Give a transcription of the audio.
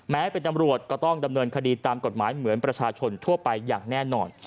เป็นตำรวจก็ต้องดำเนินคดีตามกฎหมายเหมือนประชาชนทั่วไปอย่างแน่นอน